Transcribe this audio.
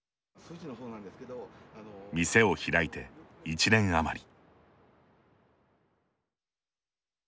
店を開いて１年余り。